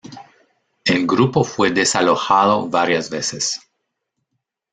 El grupo fue desalojado varias veces.